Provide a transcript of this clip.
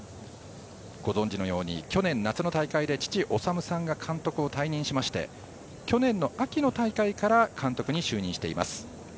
ご存じのように去年の夏の大会で父・おさむさんが監督を退任しまして去年の秋の大会から監督に就任しています。